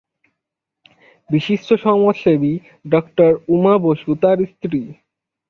বিশিষ্ট সমাজসেবী ডাক্তার উমা বসু তার স্ত্রী।